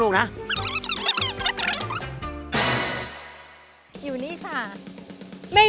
ใช่ค่ะ